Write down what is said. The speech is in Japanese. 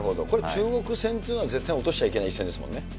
これ、中国戦っていうのは絶対落としちゃいけない一戦ですよね。